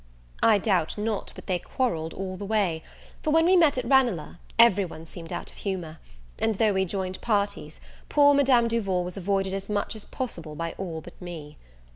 I doubt not but they quarrelled all the way; for when we met at Ranelagh every one seemed out of humour; and though we joined parties, poor Madame Duval was avoided as much as possible by all but me.